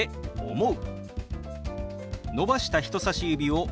「思う」。